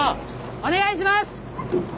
お願いします！